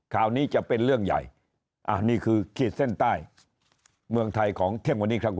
ข่าวนี้จะเป็นเรื่องใหญ่อันนี้คือขีดเส้นใต้เมืองไทยของเที่ยงวันนี้ครับ